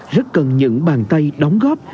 rất cần những bàn tay đóng góp